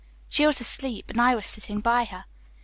She was asleep and I was sitting by her.